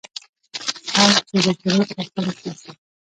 خر چیغې کړې او خلک پوه شول.